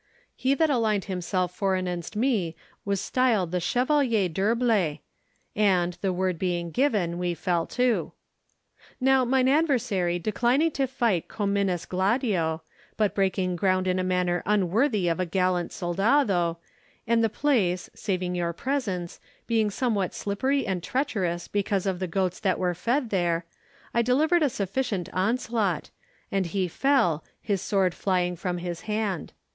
He that aligned himself forenenst me was styled the Chevalier d'Herblay; and, the word being given, we fell to. Now, mine adversary declining to fight comminus gladio, but breaking ground in a manner unworthy of a gallant soldado, and the place, saving your presence, being somewhat slippery and treacherous because of the goats that were fed there, I delivered a sufficient onslaught; and he fell, his sword flying from his hand.